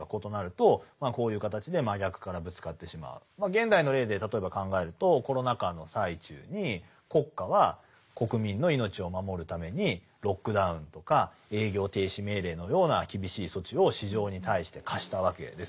現代の例で例えば考えるとコロナ禍の最中に国家は国民の命を守るためにロックダウンとか営業停止命令のような厳しい措置を市場に対して課したわけです。